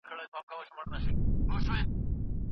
هر انسان باید په خپل ژوند کې هدف ولري.